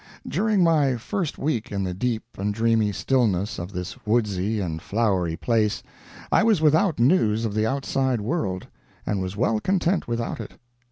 During my first week in the deep and dreamy stillness of this woodsy and flowery place I was without news of the outside world, and was well content without it.